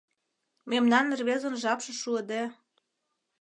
Мемнан рвезын жапше шуыде